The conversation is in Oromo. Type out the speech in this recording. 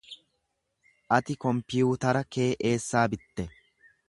Ati kompiyuutara kee eessaa bitte?